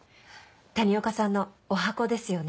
谷岡さんのおはこですよね。